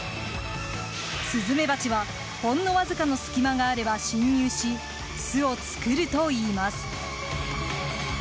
スズメバチは、ほんのわずかの隙間があれば侵入し巣を作るといいます。